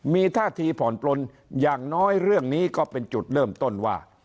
มีท่าทีผ่อนปลนอย่างน้อยเรื่องนี้ก็เป็นจุดเริ่มต้นว่า